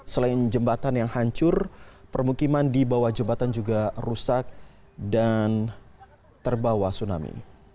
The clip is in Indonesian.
selain jembatan yang hancur permukiman di bawah jembatan juga rusak dan terbawa tsunami